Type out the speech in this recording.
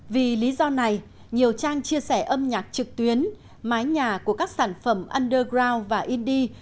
vì lý do này nhiều trang chia sẻ âm nhạc trực tuyến mái nhà của các sản phẩm underground và indie